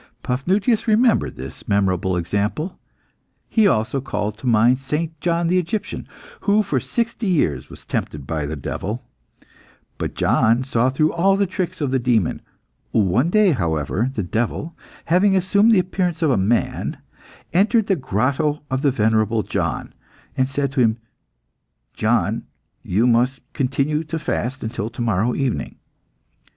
Paphnutius remembered this memorable example. He also called to mind St. John the Egyptian, who for sixty years was tempted by the devil. But John saw through all the tricks of the demon. One day, however, the devil, having assumed the appearance of a man, entered the grotto of the venerable John, and said to him, "John, you must continue to fast until to morrow evening."